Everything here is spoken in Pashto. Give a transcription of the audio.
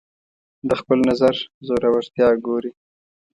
د خپل نظر زورورتیا ګوري